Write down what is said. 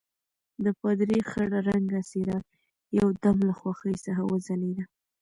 د پادري خړ رنګه څېره یو دم له خوښۍ څخه وځلېدله.